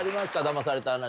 だまされた話。